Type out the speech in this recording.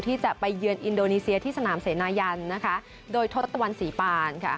ที่จะไปเยือนอินโดนีเซียที่สนามเสนายันนะคะโดยทศตวรรณศรีปานค่ะ